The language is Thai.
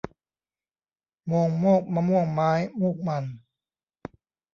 โมงโมกมะม่วงไม้ มูกมัน